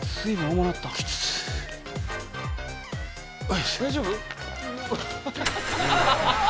大丈夫？